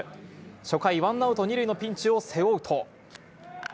初回、ワンアウト２塁のピンチを背負うと。